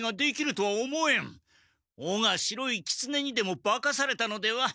おが白いキツネにでもばかされたのでは？